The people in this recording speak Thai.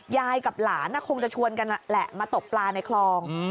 ยายกับหลานคงจะชวนกันแหละมาตกปลาในคลอง